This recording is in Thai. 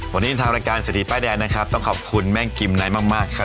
วันนี้ทางรายการเศรษฐีป้ายแดงนะครับต้องขอบคุณแม่งกิมไนท์มากครับ